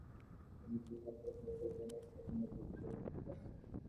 যেন সুরমার দেখা পাইবে, যেন সুরমা ওইদিকে কোথায় আছে!